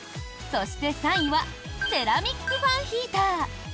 そして、３位はセラミックファンヒーター。